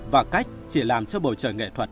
và cách chỉ làm cho bầu trời nghệ thuật